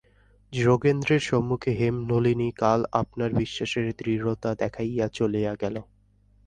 যোগেন্দ্রের সম্মুখে হেমনলিনী কাল আপনার বিশ্বাসের দৃঢ়তা দেখাইয়া চলিয়া গেল।